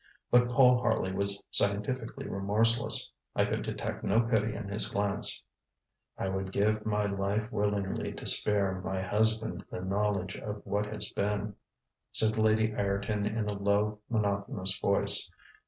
But Paul Harley was scientifically remorseless. I could detect no pity in his glance. ŌĆ£I would give my life willingly to spare my husband the knowledge of what has been, ŌĆØ said Lady Ireton in a low, monotonous voice.